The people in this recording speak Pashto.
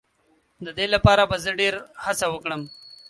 د دې لپاره به زه ډېر هڅه وکړم.